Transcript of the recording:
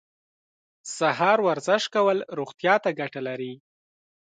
سهار ورزش کول روغتیا ته ګټه لري.